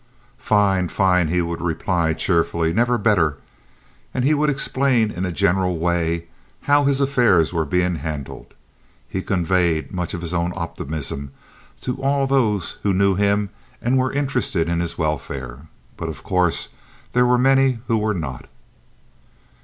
"Fine! Fine!" he would reply, cheerfully. "Never better," and he would explain in a general way how his affairs were being handled. He conveyed much of his own optimism to all those who knew him and were interested in his welfare, but of course there were many who were not.